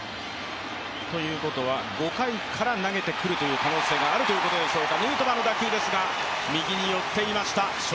ということは、５回から投げてくる可能性があるということでしょうか。